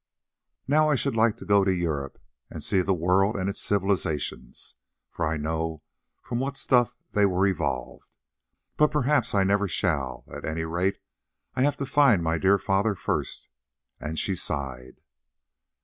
Now I should like to go to Europe and see the world and its civilisations, for I know from what stuff they were evolved. But perhaps I never shall; at any rate, I have to find my dear father first," and she sighed.